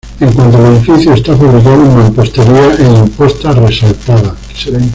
En cuanto al edificio está fabricado en mampostería e imposta resaltada.